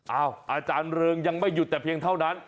อาจารย์เริงยังไม่หยุดแต่เพียงเท่านั้น